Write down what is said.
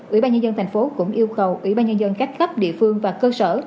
ủy ban nhân dân tp hcm cũng yêu cầu ủy ban nhân dân khách khắp địa phương và cơ sở